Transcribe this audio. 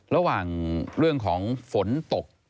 ระหว่างเรื่องของฝนตก